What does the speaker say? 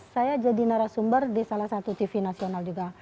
dua ribu empat belas saya jadi narasumber di salah satu tv nasional juga